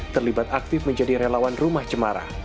terlibat aktif menjadi relawan rumah cemara